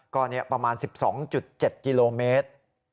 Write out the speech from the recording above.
ก็เนี่ยประมาณ๑๒๗กิโลเมตร